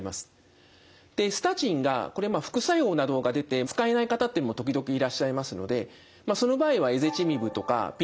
スタチンが副作用などが出て使えない方っていうのも時々いらっしゃいますのでその場合はエゼチミブとかＰＣＳＫ